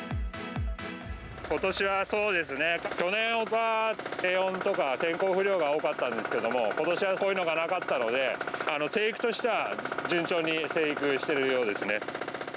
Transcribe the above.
ことしは、そうですね、去年は低温とか、天候不良が多かったんですけれども、ことしはそういうのがなかったので、生育としては順調に生育してるようですね。